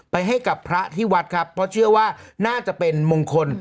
ให้กับพระที่วัดครับเพราะเชื่อว่าน่าจะเป็นมงคล